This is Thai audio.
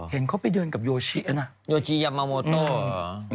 เห็นเขาไปเดินกับโยชิโยชิยามามอโมโตะหรอ